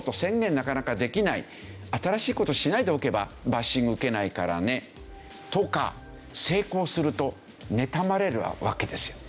「新しい事をしないでおけばバッシング受けないからね」とか成功するとねたまれるわけですよ。